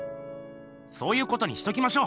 そういうことにしときましょう！